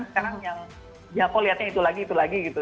sekarang yang aku lihatnya itu lagi itu lagi gitu